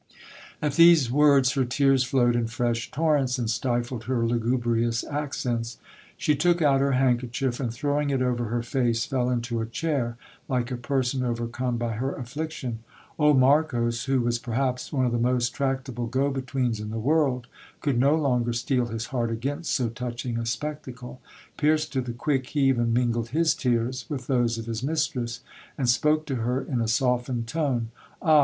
At these words her tears flowed in fresh torrents, and stifled her lugubrious accents. She took out her handkerchief, and throwing it over her face, fell into a chair, like a person overcome by her affliction. Old Marcos, who was perhaps one of the most tractable go betweens in the world, could no longer steel his heart against so touching a spectacle. Pierced to the quick, he even mingled his tears with those of his mistress, and spoke to her in a softened tone — Ah